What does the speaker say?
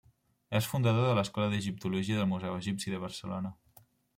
És fundador de l'Escola d'Egiptologia del Museu Egipci de Barcelona.